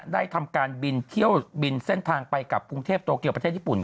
ได้ทำการบินเที่ยวบินเส้นทางไปกับกรุงเทพโตเกียวประเทศญี่ปุ่น